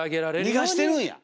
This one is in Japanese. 逃がしてるんや！